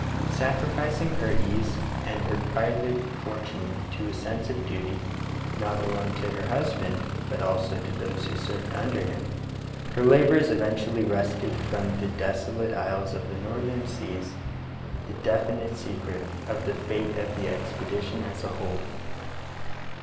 Sacrific ing her ease and her private fortune to a sense of duty, not alone to her husband but also to those who served under him, her labors eventually wrested from the deso late isles of the northern seas the definite secret of the fate of the expedition as a whole.